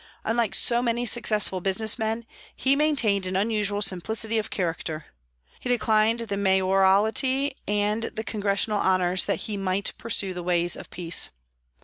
Unlike so many successful business men, he maintained an unusual simplicity of character. He declined the Mayoralty and Congressional honours that he might pursue the ways of peace.